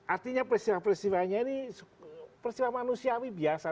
artinya peristiwa peristiwanya ini peristiwa manusia ini biasa